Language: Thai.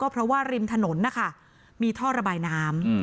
เพราะว่าริมถนนนะคะมีท่อระบายน้ำ